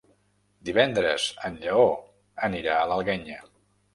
Divendres en Lleó anirà a l'Alguenya.